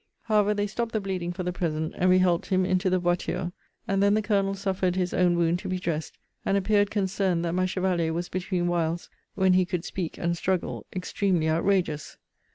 However, they stopped the bleeding for the present; and we helped him into the voiture; and then the Colonel suffered his own wound to be dressed; and appeared concerned that my chevalier was between whiles (when he could speak, and struggle,) extremely outrageous.